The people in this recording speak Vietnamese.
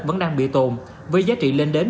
vẫn đang bị tồn với giá trị lên đến